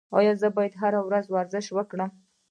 ایا زه باید هره ورځ ورزش وکړم؟